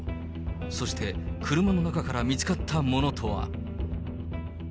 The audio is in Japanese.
そして車の中から見つかったものとは。